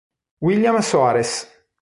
William Soares